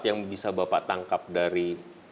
yang bisa bapak tangkap dari